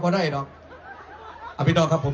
อัพพี่น้องครับผม